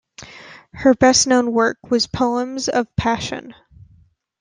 Her best-known work was "Poems of Passion".